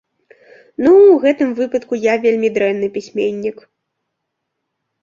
Ну, у гэтым выпадку я вельмі дрэнны пісьменнік.